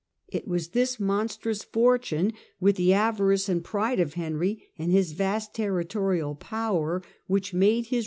It was this "monstrous fortune," with the avarice and pride of Henry, and his vast territorial power, which made his 1 Proverbs xxx.